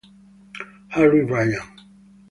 Harry Ryan